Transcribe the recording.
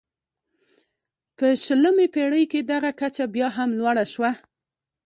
په شلمې پېړۍ کې دغه کچه بیا هم لوړه شوه.